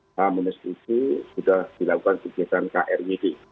khamunis uji sudah dilakukan penyelesaian kryd